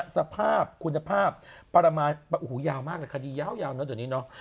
สภาพคุณภาพประมาณโอ้โหยาวมากคดียาวยาวตอนนี้เนอะ